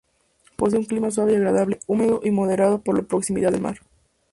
Posee un clima suave y agradable, húmedo y moderado por la proximidad del mar.